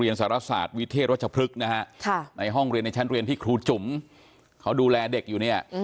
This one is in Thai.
ในชั้นเรียนที่ครูจุ๋มเขาดูแลเด็กอยู่เนี่ย